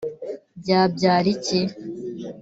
byabyara iki